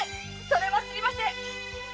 それは知りません。